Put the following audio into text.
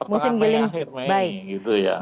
pertama mei akhir mei